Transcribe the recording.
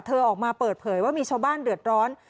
ออกมาเปิดเผยว่ามีชาวบ้านเดือดร้อน